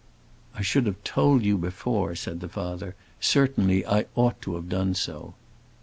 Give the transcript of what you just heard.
"I should have told you before," said the father; "certainly I ought to have done so."